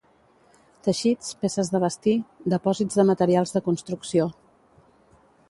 teixits, peces de vestir, depòsits de materials de construcció